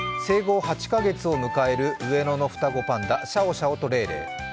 生後８カ月を迎える上野の双子パンダ、シャオシャオとレイレイ。